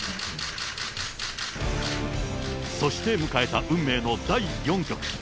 そして迎えた運命の第４局。